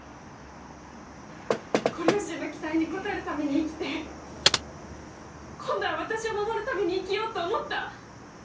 ご両親の期待に応えるために生きて今度は私を守るために生きようと思った？